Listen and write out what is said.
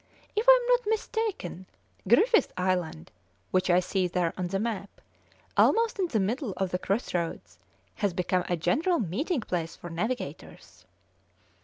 If I am not mistaken, Griffith Island, which I see there on the map, almost in the middle of the cross roads, has become a general meeting place for navigators."